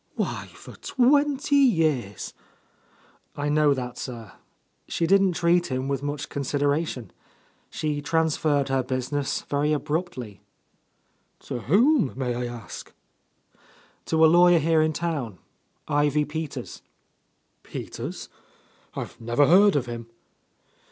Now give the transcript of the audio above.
Why, for twenty years —" "I know that, sir. She didn't treat him with much consideration. She transferred her busi ness very abruptly." "To whom, may I ask?" "To a lawyer here in town; Ivy Peters." "Peters? I never heard of him."